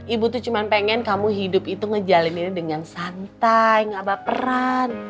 ibu tuh cuma pengen kamu hidup itu ngejalin ini dengan santai gak baperan